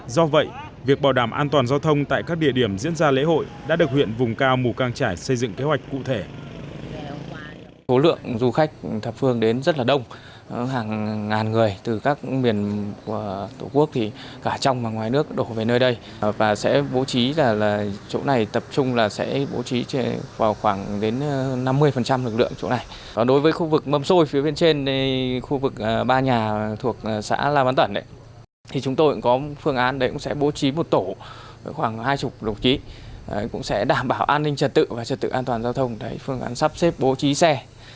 do vậy việc bảo đảm an toàn giao thông tại các địa điểm diễn ra lễ hội đã được huyện vùng cao mù cang trải xây dựng kế hoạch cụ thể